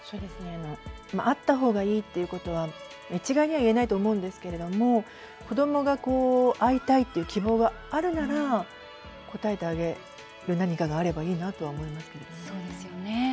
会った方がいいっていうことは一概にはいえないと思うんですけれども子どもが会いたいっていう希望があるなら応えてあげる何かがあればいいなとは思いますけれどもね。